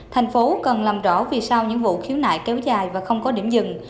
tp hcm cần làm rõ vì sao những vụ khiếu nại kéo dài và không có điểm dừng